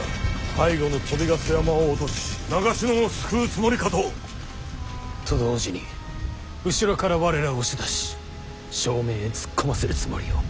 背後の鳶ヶ巣山を落とし長篠を救うつもりかと。と同時に後ろから我らを押し出し正面へ突っ込ませるつもりよ。